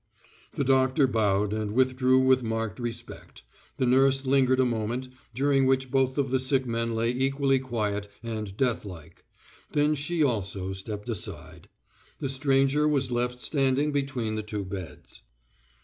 The doctor bowed and withdrew with marked respect; the nurse lingered a moment, during which both of the sick men lay equally quiet and death like; then she also stepped aside. The stranger was left standing between the two beds.